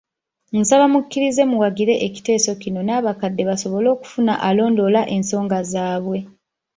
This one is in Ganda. Nsaba mukkirize muwagire ekiteeso kino n’abakadde basobole okufuna alondoola ensonga zaabwe.